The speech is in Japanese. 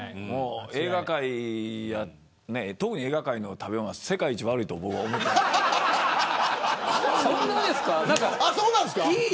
特に映画界の食べ物は世界一悪いと僕は思うんで。